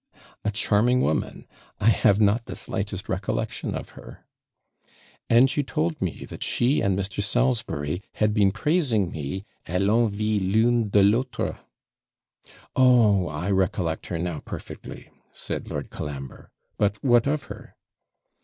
'A charming woman! I have not the slightest recollection of her.' 'And you told me that she and Mr. Salisbury had been praising me A L'ENVIE L'UNE ET L'AUTRE.' 'Oh, I recollect her now perfectly,' said Lord Colambre; 'But what of her?'